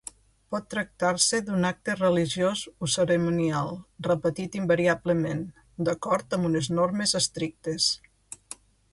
Pot tractar-se d'un acte religiós o cerimonial repetit invariablement, d'acord amb unes normes estrictes.